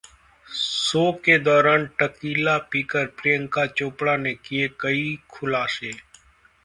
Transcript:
show के दौरान tequila पीकर प्रियंका चोपड़ा ने किए कई खुलासे